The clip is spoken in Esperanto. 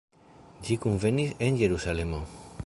Ĝi kunvenis en Jerusalemo.